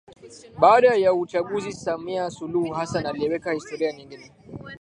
Baada ya uchaguzi Samia Suluhu Hassan aliweka historia nyingine